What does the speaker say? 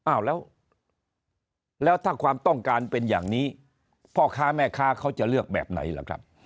อ้าวแล้วถ้าความต้องการเป็นอย่างนี้พ่อค้าแม่ค้าเขาจะเลือกแบบไหนล่ะครับ